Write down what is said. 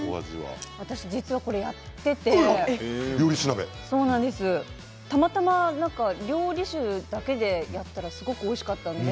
実は、これやっていてたまたま料理酒だけでやったらすごくおいしかったので。